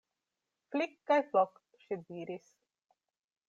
Flik kaj Flok, ŝi diris.